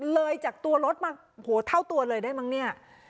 เลยจากตัวรถมาโหเท่าตัวเลยได้มั้งเนี่ย